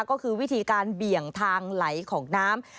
ก็คือวิธีการเบี่ยงทางไหลของน้ำ